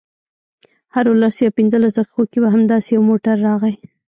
هرو لسو یا پنځلسو دقیقو کې به همداسې یو موټر راغی.